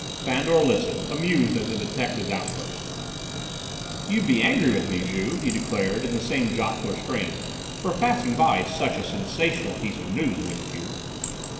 _'" Fandor listened, amused at the detective's outburst. "You'd be angry with me, Juve," he declared, in the same jocular strain, "for passing by such a sensational piece of news, wouldn't you?"